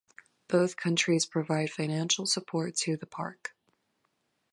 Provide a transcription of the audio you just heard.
Both countries provide financial support to the park.